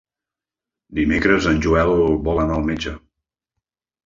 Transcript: Dimecres en Joel vol anar al metge.